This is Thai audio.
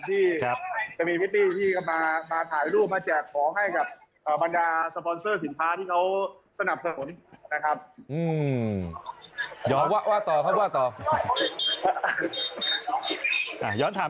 ที่จะมีพริตตี้ที่ก็มาถ่ายรูปมาแจกของให้กับบรรดาสปอนเซอร์สินค้าที่เขาสนับสนุนนะครับ